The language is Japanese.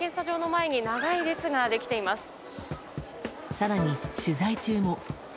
更に取材中も。